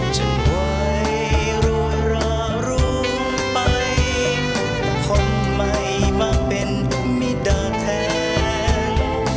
ช่วยรวยรารุมไปคนใหม่มาเป็นมิดาแทน